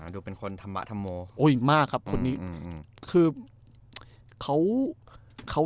ดูเป็นคนทำบะทำโมโอ้ยมากครับคนนี้อืมอืมอืมคือเขา